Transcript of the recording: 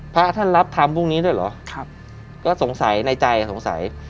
พระท่านรับธรรมพรุ่งนี้ด้วยเหรอก็ในใจสงสัย